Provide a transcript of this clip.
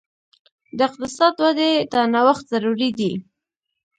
د اقتصاد ودې ته نوښت ضروري دی.